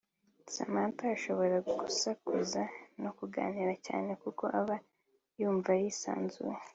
Samantha ashobora gusakuza no kuganira cyane kuko aba yumva yisanzuye